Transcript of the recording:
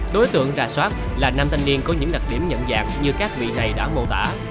đối tượng rà soát là nam thanh niên có những đặc điểm nhận dạng như các vị này đã mô tả